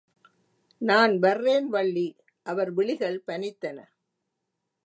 நான் வர்றேன் வள்ளி. அவர் விழிகள் பனித்தன.